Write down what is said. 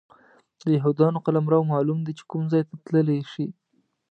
د یهودانو قلمرو معلوم دی چې کوم ځای ته تللی شي.